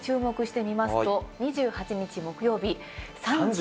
東京に注目してみますと、２８日木曜日。